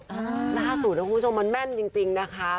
สูตรของคุณผู้ชมมันแม่นจริงนะคะ